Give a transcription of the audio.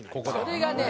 それがね